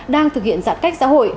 đang thực hiện giãn cách xã hội